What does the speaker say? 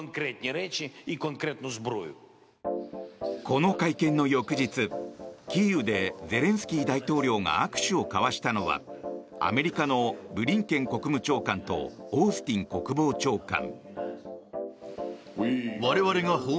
この会見の翌日キーウでゼレンスキー大統領が握手を交わしたのはアメリカのブリンケン国務長官とオースティン国防長官。